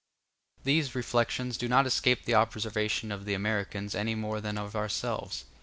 These reflections do not escape the observation of the Americans any more than of ourselves.